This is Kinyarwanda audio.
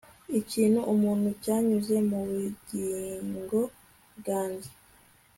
Ikintu umuntu cyanyuze mu bugingo bwanjye